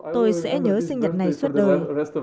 tôi sẽ nhớ sinh nhật này suốt đời